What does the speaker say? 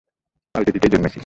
পালটে দিতেই জন্মেছি।